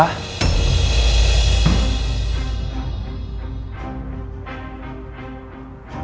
aku gak pernah tau